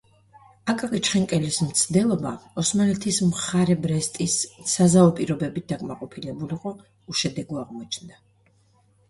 აკაკი ჩხენკელის მცდელობა, ოსმალეთის მხარე ბრესტის საზავო პირობებით დაკმაყოფილებულიყო, უშედეგო აღმოჩნდა.